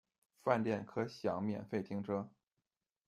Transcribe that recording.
饭店可享免费停车